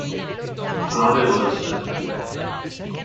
Frode Olsen